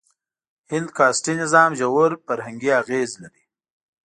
هند کاسټي نظام ژور فرهنګي اغېز لري.